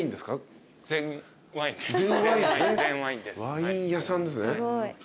ワイン屋さんですね。